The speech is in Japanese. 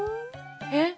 えっ？